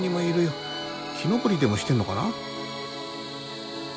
木登りでもしてんのかな。